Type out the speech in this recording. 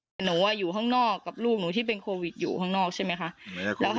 ยังไม่รู้ว่าจะเริ่มยังไงก่อนเลย